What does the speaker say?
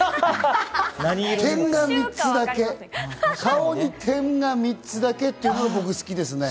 点が３つだけ、顔に点が３つだけというのが僕は好きですね。